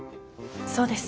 そうです。